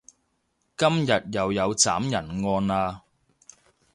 今日又有斬人案喇